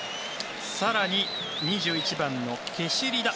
更に２１番のケシリダ。